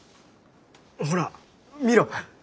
ほら見ろ。